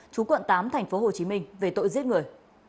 chú quận tám tp hcm về tội giết người